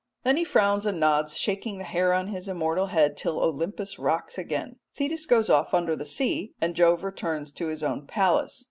Then he frowns and nods, shaking the hair on his immortal head till Olympus rocks again. Thetis goes off under the sea and Jove returns to his own palace.